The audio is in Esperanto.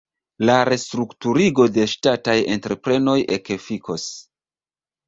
La restrukturigo de ŝtataj entreprenoj ekefikos.